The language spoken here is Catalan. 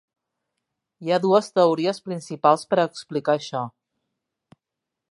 Hi ha dues teories principals per a explicar això.